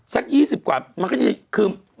สัก๒๐กว่ามันก็จะคือ